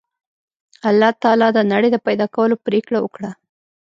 الله تعالی د نړۍ د پیدا کولو پرېکړه وکړه